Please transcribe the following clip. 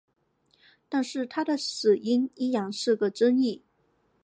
但是他的死因依然是争议。